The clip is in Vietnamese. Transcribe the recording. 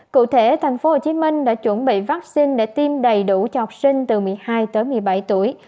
cụ thể thành phố hồ chí minh đã chuẩn bị vaccine để tiêm đầy đủ cho học sinh từ một mươi hai một mươi bảy tuổi